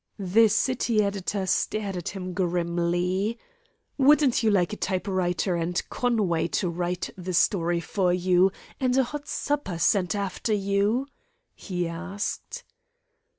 The city editor stared at him grimly. "Wouldn't you like a type writer, and Conway to write the story for you, and a hot supper sent after you?" he asked.